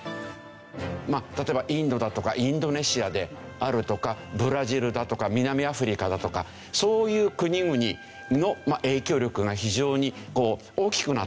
例えばインドだとかインドネシアであるとかブラジルだとか南アフリカだとかそういう国々の影響力が非常に大きくなってる。